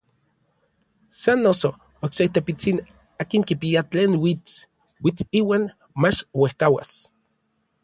Sa noso, okse tepitsin akin kipia tlen uits, uits iuan mach uejkauas.